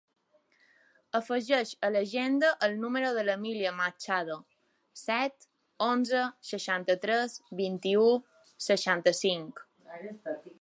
Afegeix a l'agenda el número de l'Emília Machado: set, onze, seixanta-tres, vint-i-u, seixanta-cinc.